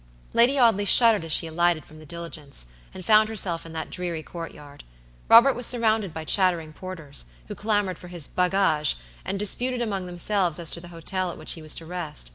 Lady Audley shuddered as she alighted from the diligence, and found herself in that dreary court yard. Robert was surrounded by chattering porters, who clamored for his "baggages," and disputed among themselves as to the hotel at which he was to rest.